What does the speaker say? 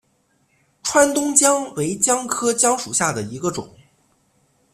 川东姜为姜科姜属下的一个种。